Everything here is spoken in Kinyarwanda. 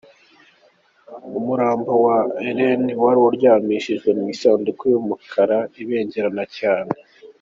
Umurambo wa René wari uryamishijwe mu isanduku y’umukara ubengerana cyane.